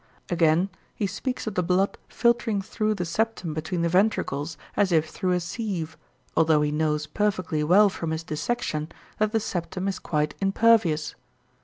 Again, he speaks of the blood filtering through the septum between the ventricles as if through a sieve, although he knows perfectly well from his dissection that the septum is quite impervious.